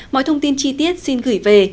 mọi thông tin chi tiết xin gửi về